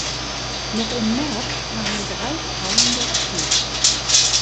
Noch im März kamen drei Frauen dazu.